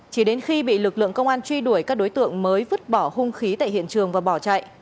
chỉ đến khi bị lực lượng công an truy đuổi các đối tượng mới vứt bỏ hung khí tại hiện trường và bỏ chạy